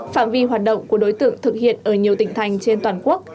phạm vi hoạt động của đối tượng thực hiện ở nhiều tỉnh thành trên toàn quốc